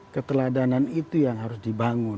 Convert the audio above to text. keteladanan itu yang harus dibangun